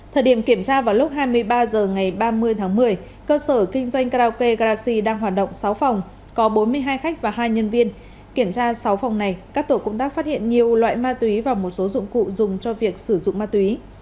thời điểm kiểm tra vào lúc hai mươi ba h ngày ba mươi tháng một mươi cơ sở kinh doanh karaoke garaxi đang hoạt động sáu phòng có bốn mươi hai khách và hai nhân viên kiểm tra sáu phòng này các tổ công tác phát hiện nhiều loại ma túy và một số dụng cụ dùng cho việc sử dụng ma túy